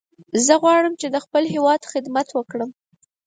زه غواړم چې د خپل هیواد خدمت وکړم.